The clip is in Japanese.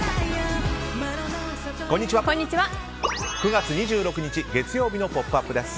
９月２６日、月曜日の「ポップＵＰ！」です。